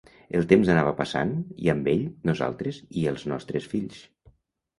El temps anava passant i amb ell, nosaltres i els nostres fills.